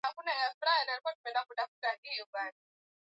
kupenya hadi ndani ya mapafu yetu ambapo husababisha kuvimba